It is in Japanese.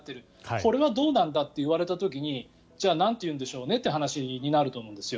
これはどうなんだって言われた時じゃあ、なんて言うんでしょうねという話になると思うんですよ。